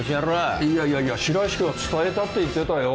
いやいやいや白石君は伝えたって言ってたよ。